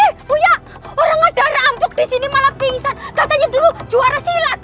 eh huya orang ada rambuk disini malah pingsan katanya dulu juara silat mana